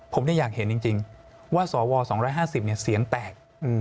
ผมอยากเห็นจริงว่าสว๒๕๐เสียงแตก